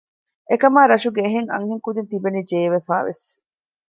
އެކަމާ ރަށުގެ އެހެން އަންހެން ކުދީން ތިބެނީ ޖޭވެފައިވެސް